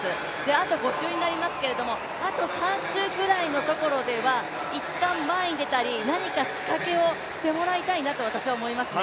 あと５周になりますけど、あと３周ぐらいのところでは一旦前に出たり、何か仕掛けをしてもらいたいなと私は思いますね。